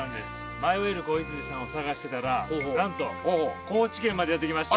迷える子羊さんを探してたらなんと高知県までやって来ました。